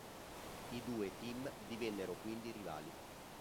I due team divennero quindi rivali.